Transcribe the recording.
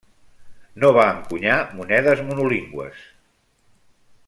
No va encunyar monedes monolingües.